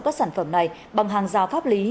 các sản phẩm này bằng hàng rào pháp lý